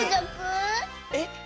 えっ？